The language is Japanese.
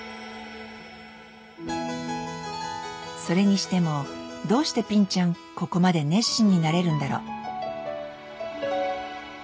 それにしてもどうしてぴんちゃんここまで熱心になれるんだろう？